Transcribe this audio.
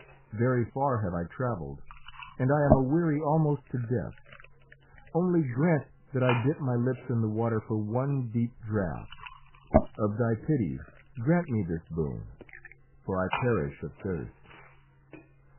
Very far have I travelled, and I am aweary almost to death. Only grant that I dip my lips in the water for one deep draught. Of thy pity grant me this boon, for I perish of thirst."